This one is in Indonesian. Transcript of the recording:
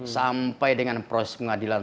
sampai dengan proses pengadilan